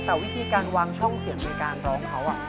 แต่วิธีการวางช่องเสียงในการร้องเขา